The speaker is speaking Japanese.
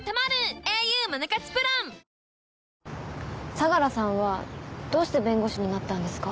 相良さんはどうして弁護士になったんですか？